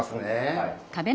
はい。